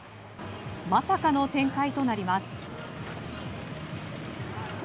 まさかの展開となります。